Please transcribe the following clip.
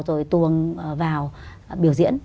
rồi tuồng vào biểu diễn